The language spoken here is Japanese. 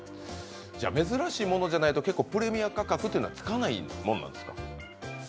珍しいものじゃないとプレミア価格というのはつかないものなんですか？